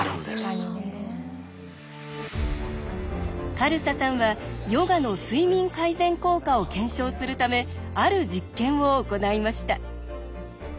カルサさんはヨガの睡眠改善効果を検証するためある実験を行いました。